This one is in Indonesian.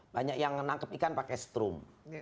banyak yang menangkap ikan pakai strum